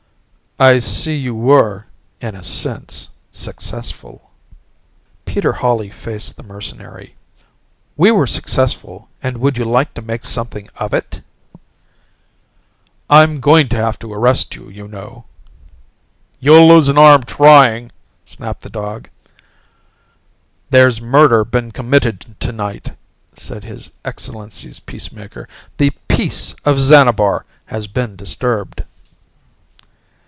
"I see you were, in a sense, successful." Peter Hawley faced the mercenary. "We were successful and would you like to make something of it?" "I'm going to have to arrest you, you know." "You'll lose an arm trying!" snapped the dog. "There's murder been committed tonight," said His Excellency's Peacemaker. "The Peace of Xanabar has been disturbed."